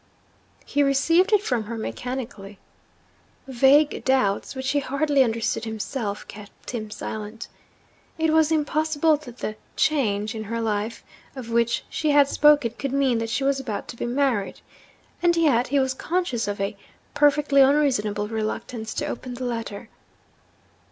He received it from her mechanically. Vague doubts, which he hardly understood himself, kept him silent. It was impossible that the 'change in her life' of which she had spoken could mean that she was about to be married and yet he was conscious of a perfectly unreasonable reluctance to open the letter.